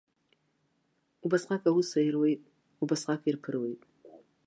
Убасҟак аус аируеит, убасҟак ирԥыруеит.